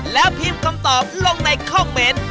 แล้วพิมพ์คำตอบลงในคอมเมนต์